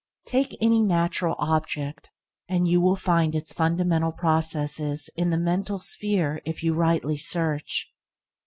Take any natural object, and you will find its fundamental processes in the mental sphere if you rightly search.